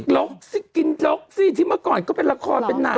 ล็อกสิกินล็อกสิที่เมื่อก่อนก็เป็นละครเป็นนาง